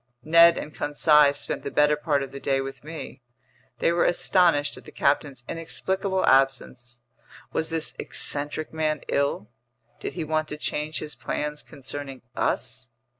Ned and Conseil spent the better part of the day with me. They were astonished at the captain's inexplicable absence. Was this eccentric man ill? Did he want to change his plans concerning us?